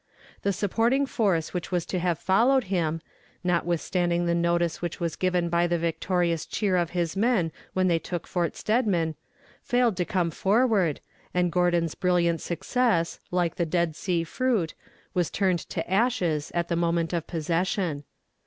The supporting force which was to have followed him, notwithstanding the notice which was given by the victorious cheer of his men when they took Fort Steadman, failed to come forward, and Gordon's brilliant success, like the Dead Sea fruit, was turned to ashes at the moment of possession.